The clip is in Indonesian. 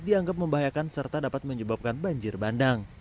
dianggap membahayakan serta dapat menyebabkan banjir bandang